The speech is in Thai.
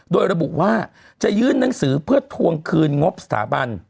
โดยระบุว่าจะยื่นหนังสือเพื่อทวงคืนงบสถาบัน